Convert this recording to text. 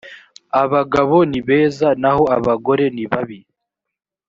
abagabo ni beza naho abagore nibabi